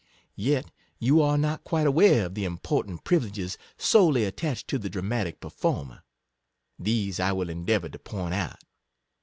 Yet you are not quite aware of the important privileges solely attached to the dramatic performer. These I will endeavour to point out.